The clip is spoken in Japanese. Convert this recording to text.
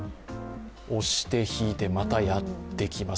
押して引いて、まったやってきます